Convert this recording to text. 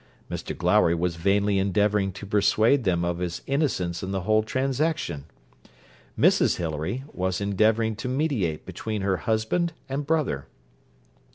Mr Glowry was vainly endeavouring to persuade them of his innocence in the whole transaction. Mrs Hilary was endeavouring to mediate between her husband and brother.